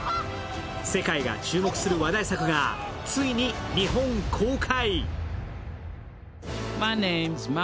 世界が注目する話題作がついに日本公開。